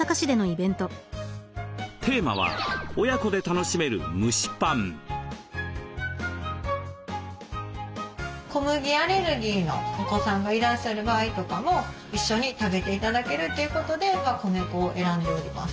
テーマは小麦アレルギーのお子さんがいらっしゃる場合とかも一緒に食べて頂けるということで米粉を選んでおります。